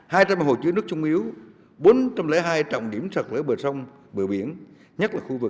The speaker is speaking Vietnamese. hai trăm linh hồ chứa nước chung yếu bốn trăm linh hai trọng điểm sợt lỡ bờ sông bờ biển